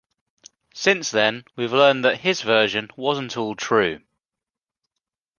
Since then, we've learned that his version wasn't all true.